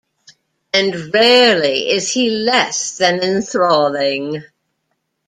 And rarely is he less than enthralling.